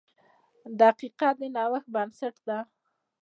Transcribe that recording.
• دقیقه د نوښت بنسټ ده.